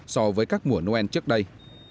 so với các mùa noel trước đây